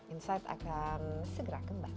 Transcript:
insight akan segera kembali